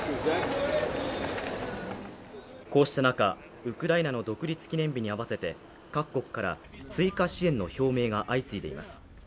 こうした中、ウクライナの独立記念日に合わせて各国から追加支援の表明が相次いでいます。